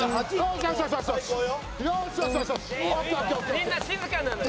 みんな静かなのよ。